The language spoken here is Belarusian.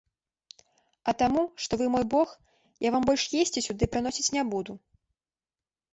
А таму, што вы мой бог, я вам больш есці сюды прыносіць не буду.